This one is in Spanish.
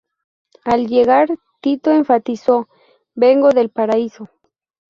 Al llegar Tito enfatizó: "Vengo del paraíso".